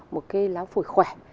một cái lá phổi khỏe